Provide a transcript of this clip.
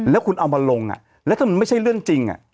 แล้วคุณเอามาลงแล้วถ้ามันไม่ใช่เรื่องจริง